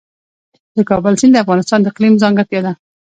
د کابل سیند د افغانستان د اقلیم ځانګړتیا ده.